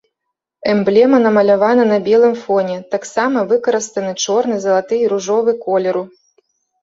Эмблема намалявана на белым фоне, таксама выкарыстаны чорны, залаты і ружовы колеру.